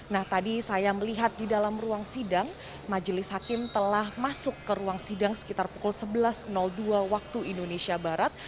nah tadi saya melihat di dalam ruang sidang majelis hakim telah masuk ke ruang sidang sekitar pukul sebelas dua waktu indonesia barat